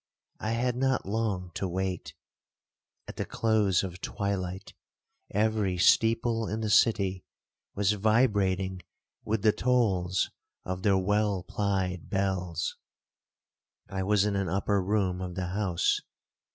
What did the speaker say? I had not long to wait. At the close of twilight, every steeple in the city was vibrating with the tolls of their well plied bells. I was in an upper room of the house.